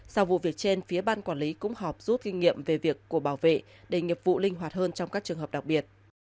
sau vụ việc trên phía ban quản lý cũng họp rút kinh nghiệm về việc của bảo vệ để nghiệp vụ linh hoạt hơn trong các trường hợp đặc biệt